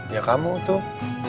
ya kamu tuh